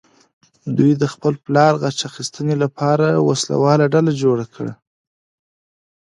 دوی د خپل پلار غچ اخیستنې لپاره وسله واله ډله جوړه کړه.